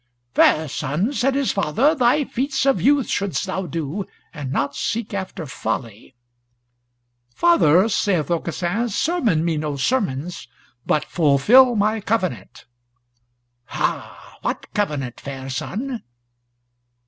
"Fair son," said his father, "thy feats of youth shouldst thou do, and not seek after folly." "Father," saith Aucassin, "sermon me no sermons, but fulfil my covenant." "Ha! what covenant, fair son?"